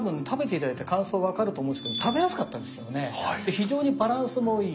非常にバランスもいい。